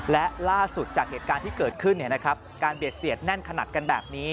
และล่าสุดจากเหตุการณ์ที่เกิดขึ้นการเบียดเสียดแน่นขนาดกันแบบนี้